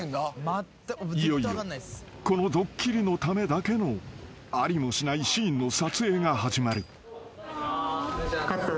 ［いよいよこのドッキリのためだけのありもしないシーンの撮影が始まる］